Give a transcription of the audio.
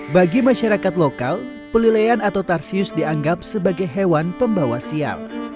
bagi masyarakat lokal pelilean atau tarsius dianggap sebagai hewan pembawa sial